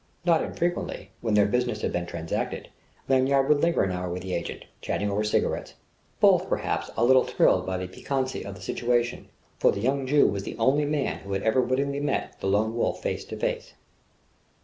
Not infrequently, when their business had been transacted, Lanyard would linger an hour with the agent, chatting over cigarettes: both, perhaps, a little thrilled by the piquancy of the situation; for the young Jew was the only man who had ever wittingly met the Lone Wolf face to face....